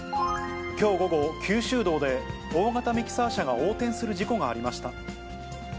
きょう午後、九州道で、大型ミキサー車が横転する事故がありました。